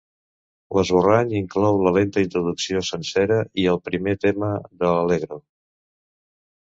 L'esborrany inclou la lenta introducció, sencera, i el primer tema de l'Allegro.